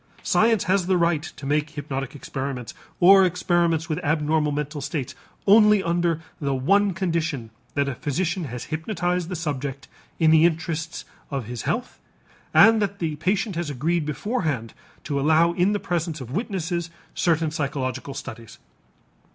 Science has the right to make hypnotic experiments, or experiments with abnormal mental states, only under the one condition that a physician has hypnotized the subject in the interests of his health and that the patient has agreed beforehand to allow in the presence of witnesses certain psychological studies.